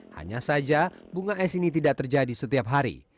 hanya saja bunga es ini tidak terjadi setiap hari